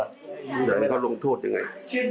แต่มันเขาลงโทษยังไง